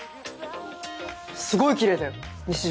すごいきれいだよ西島。